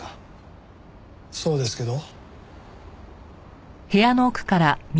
そうですけど。